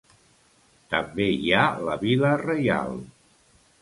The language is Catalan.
També hi ha la Vila Reial.